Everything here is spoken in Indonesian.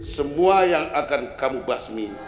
semua yang akan kamu basmi